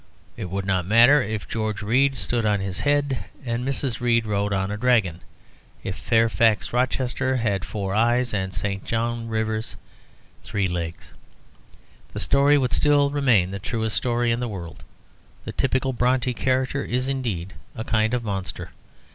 It would not matter if George Read stood on his head, and Mrs. Read rode on a dragon, if Fairfax Rochester had four eyes and St. John Rivers three legs, the story would still remain the truest story in the world. The typical Brontë character is, indeed, a kind of monster.